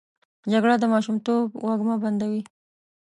جګړه د ماشومتوب وږمه بندوي